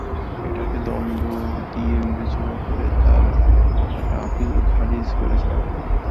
এটাকে দণ্ড হিসেবে বিবেচনা করে তাঁর করা আপিল খারিজ করেছেন আদালত।